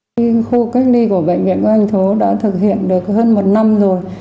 khi khu cách ly của bệnh viện công an hà nội đã thực hiện được hơn một năm rồi